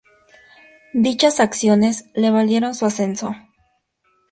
Dichas acciones le valieron su ascenso.